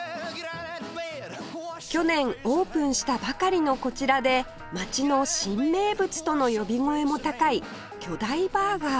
去年オープンしたばかりのこちらで町の新名物との呼び声も高い巨大バーガー